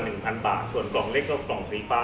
กล่องประมาณ๑๐๐๐บาทส่วนกล่องเล็กก็กล่องสีฟ้า